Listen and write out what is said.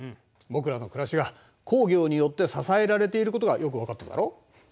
僕らの暮らしが工業によって支えられていることがよく分かっただろう？